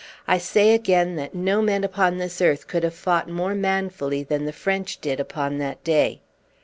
I say again, that no men upon this earth could have fought more manfully than the French did upon that day.